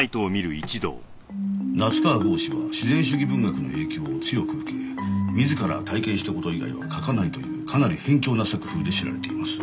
夏河郷士は自然主義文学の影響を強く受け自ら体験した事以外は書かないというかなり偏狭な作風で知られています。